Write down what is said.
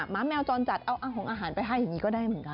แมวจรจัดเอาของอาหารไปให้อย่างนี้ก็ได้เหมือนกัน